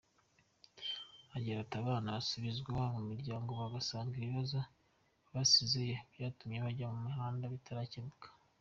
Agira ati “Abana basubizwa mu miryango bagasanga ibibazo basizeyo byatumye bajya mu mihanda bitarakemutse.